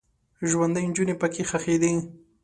ژوندۍ نجونې پکې ښخیدې.